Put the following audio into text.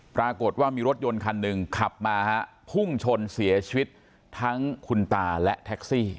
ปรากฏว่ามีรถยนต์คันหนึ่งขับมาฮะพุ่งชนเสียชีวิตทั้งคุณตาและแท็กซี่